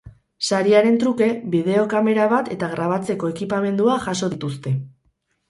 Sariaren truke, bideo-kamera bat eta grabatzeko ekipamendua jaso dituzte.